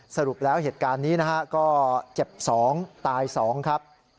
สรุปแล้วเหตุการณ์นี้นะครับก็เจ็บสองตายสองครับ